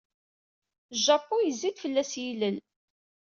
Japun yezzi-d fell-as yilel.